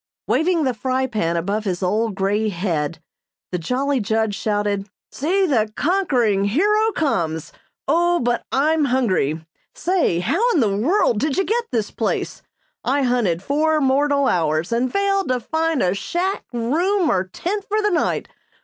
Waving the fry pan above his old grey head, the jolly judge shouted: "See, the conquering hero comes! Oh, but I'm hungry! Say, how in the world did you get this place? I hunted four mortal hours and failed to find a shack, room, or tent for the night.